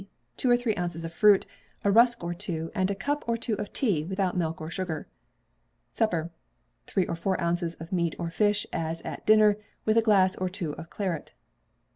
_ Two or three ounces of fruit; a rusk or two, and a cup or two of tea, without milk or sugar. Supper. Three or four ounces of meat or fish as at dinner, with a glass or two of claret.